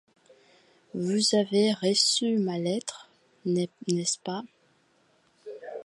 Vous avez reçu ma lettre, n'est-ce pas?